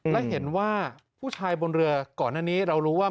และเห็นว่าผู้ชายบนเรือก่อนอันนี้เรารู้ว่า